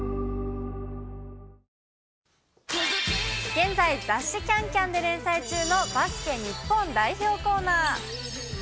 現在、雑誌、ＣａｎＣａｍで連載中のバスケ日本代表コーナー。